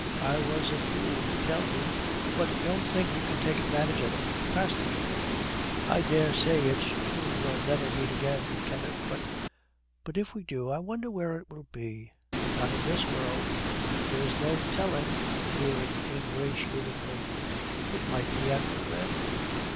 I was a fool to tell you. But don't think you can take advantage of it. Pass the cake.' 'I daresay it's true we'll never meet again, Kenneth, but but if we do, I wonder where it will be?' 'Not in this world.' 'There's no telling' leering ingratiatingly 'It might be at Berlin.'